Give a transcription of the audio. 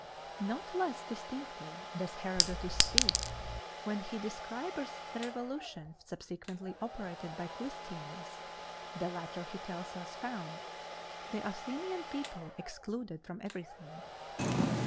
Not less distinctly does Herodotus speak, when he describes the revolution subsequently operated by Clisthenes the latter (he tells us) found "the Athenian people excluded from everything."